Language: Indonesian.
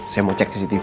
saya mau cek cctv